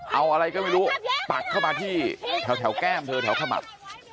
เอาอะไรก็ไม่รู้ปักเข้ามาที่แถวแก้มเธอแถวขมับ